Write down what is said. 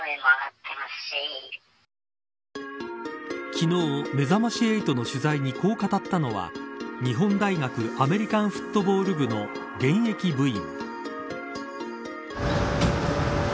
昨日、めざまし８の取材にこう語ったのは日本大学アメリカンフットボール部の現役部員。